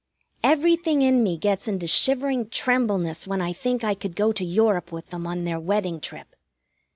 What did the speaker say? Everything in me gets into shivering trembleness when I think I could go to Europe with them on their wedding trip.